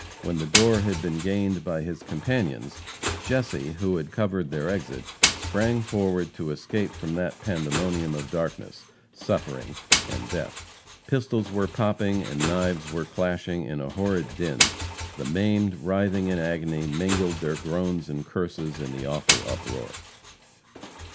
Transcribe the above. When the door had been gained by his companions, Jesse, who had covered their exit, sprang forward to escape from that pandemonium of darkness, suffering and death. Pistols were popping and knives were clashing in a horrid din. The maimed, writhing in agony, mingled their groans and curses in the awful uproar.